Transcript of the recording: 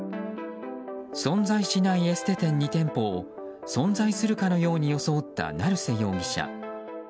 存在しないエステ店２店舗を存在するかのように装った成瀬容疑者。